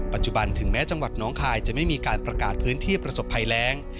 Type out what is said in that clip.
ถึงแม้จังหวัดน้องคายจะไม่มีการประกาศพื้นที่ประสบภัยแรง